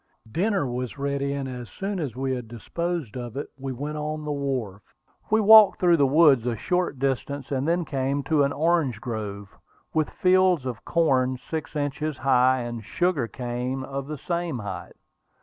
Dinner was ready, and as soon as we had disposed of it we went on the wharf. We walked through the woods a short distance, and then came to an orange grove, with fields of corn six inches high, and sugar cane of the same height.